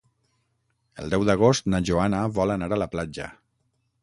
El deu d'agost na Joana vol anar a la platja.